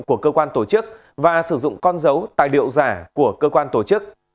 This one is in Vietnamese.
của cơ quan tổ chức và sử dụng con dấu tài liệu giả của cơ quan tổ chức